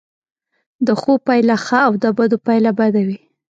د ښو پایله ښه او د بدو پایله بده وي.